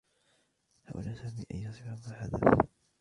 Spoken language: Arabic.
حاول سامي أن يصف ما حدث.